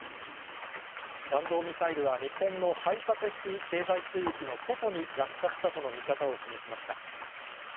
弾道ミサイルは、日本の排他的経済水域の外に落下したとの見方を示しました。